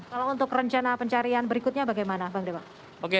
kalau untuk rencana pencarian berikutnya bagaimana bang dewa